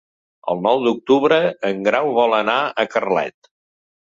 El nou d'octubre en Grau vol anar a Carlet.